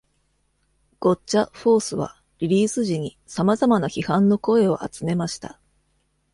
「ゴッチャ・フォース」はリリース時にさまざまな批判の声を集めました。